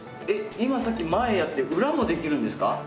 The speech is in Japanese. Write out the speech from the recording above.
えっ今さっき前やって裏もできるんですか？